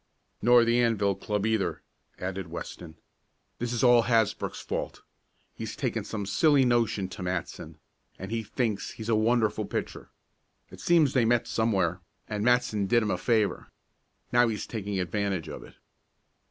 "Nor the Anvil Club either," added Weston. "This is all Hasbrook's fault. He's taken some silly notion to Matson, and he thinks he's a wonderful pitcher. It seems they met somewhere, and Matson did him a favor. Now he's taking advantage of it."